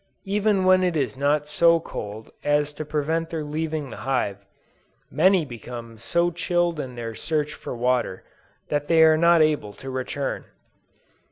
Even when it is not so cold as to prevent their leaving the hive, many become so chilled in their search for water, that they are not able to return.